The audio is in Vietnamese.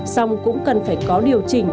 xong cũng cần phải có điều chỉnh